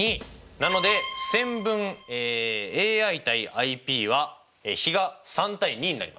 なので線分ＡＩ：ＩＰは比が３：２になります。